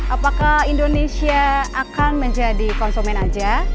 apakah indonesia akan menjadi konsumen aja